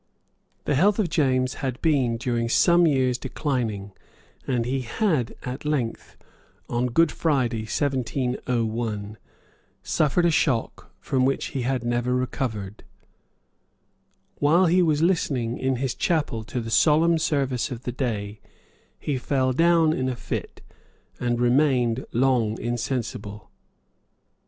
The health of James had been during some years declining and he had at length, on Good Friday, 1701, suffered a shock from which he had never recovered. While he was listening in his chapel to the solemn service of the day, he fell down in a fit, and remained long insensible.